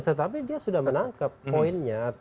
tetapi dia sudah menangkap poinnya